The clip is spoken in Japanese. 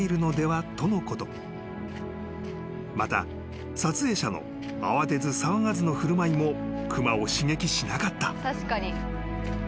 ［また撮影者の慌てず騒がずの振る舞いも熊を刺激しなかった］